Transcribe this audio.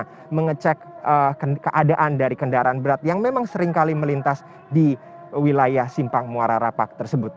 kita mengecek keadaan dari kendaraan berat yang memang seringkali melintas di wilayah simpang muara rapak tersebut